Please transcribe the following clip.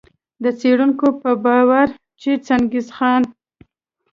د څېړونکو په باور چي چنګیز خان